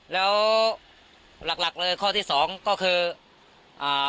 แล้วหลักเลยข้อที่๒ก็คือ